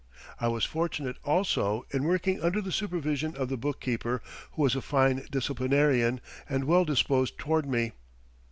I was fortunate, also, in working under the supervision of the bookkeeper, who was a fine disciplinarian, and well disposed toward me.